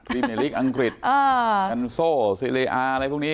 รีเมลิกอังกฤษกันโซซีเลอาอะไรพวกนี้